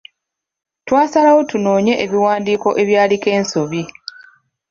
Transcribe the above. Twasalawo tunoonye ebiwandiiko ebyaliko ensobi.